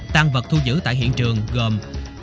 tăng vật thu giữ tại hiện trường gồm